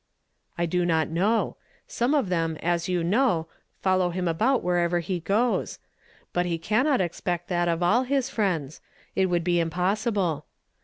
" I do not know ; some of them, as you know, follow him about wherever he goes. But he can not expect that of all his friends ; it would be impossible.